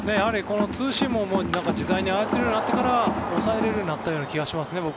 ツーシームを自在に操れるようになってから抑えられるようになったような気がしますね。